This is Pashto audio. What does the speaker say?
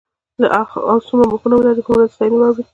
او څومره مخونه ولري هومره د ستاینې وړ وي.